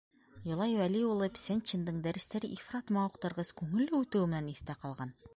Юлай Вәли улы Псәнчиндың дәрестәре ифрат мауыҡтырғыс, күңелле үтеүе менән иҫтә ҡалған.